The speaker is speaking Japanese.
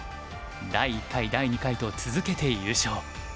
第１回第２回と続けて優勝。